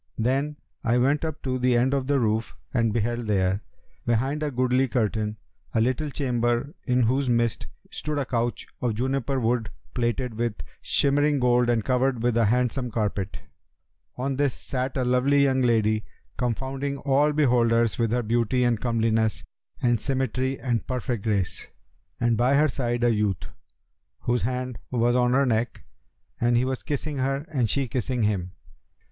Then I went up to the end of the roof and beheld there, behind a goodly curtain, a little chamber in whose midst stood a couch of juniper wood[FN#285] plated with shimmering gold and covered with a handsome carpet. On this sat a lovely young lady, confounding all beholders with her beauty and comeliness and symmetry and perfect grace, and by her side a youth, whose hand was on her neck; and he was kissing her and she kissing him.